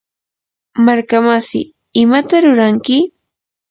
markamasi, ¿imata ruranki?